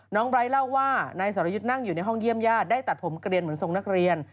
ไบร์ทเล่าว่านายสรยุทธ์นั่งอยู่ในห้องเยี่ยมญาติได้ตัดผมเกลียนเหมือนทรงนักเรียน